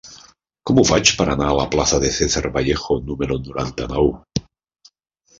Com ho faig per anar a la plaça de César Vallejo número noranta-nou?